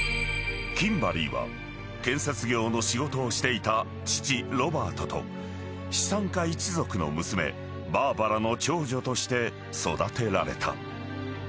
［キンバリーは建設業の仕事をしていた父ロバートと資産家一族の娘バーバラの長女として育てられた］